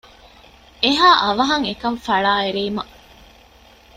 އެހާ އަވަހަށް އެކަން ފަޅާއެރީމަ